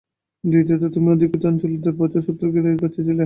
দ্বিতীয়ত, তুমি অধিকৃত অঞ্চলে দেড় বছর শত্রুকে এড়িয়ে বেঁচে ছিলে।